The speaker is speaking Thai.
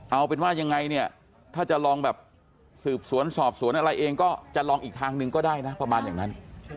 เอาเป็นว่ายังไงเนี่ยถ้าจะลองแบบสืบสวนสอบสวนอะไรเองก็จะลองอีกทางหนึ่งก็ได้นะประมาณอย่างนั้น